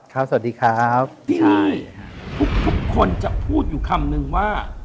ทุกคนจะพูดอยู่คำนึงว่า